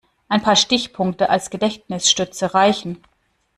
Ein paar Stichpunkte als Gedächtnisstütze reichen.